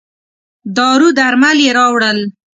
دارو درمل یې راووړل.